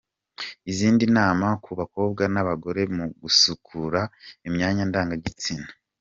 Izindi nama ku bakobwa n'abagore mu gusukura imyanyandangagitsina.